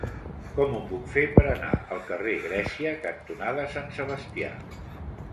Com ho puc fer per anar al carrer Grècia cantonada Sant Sebastià?